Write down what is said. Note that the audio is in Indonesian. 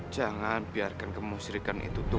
jangan biarkan kemusyrikan itu no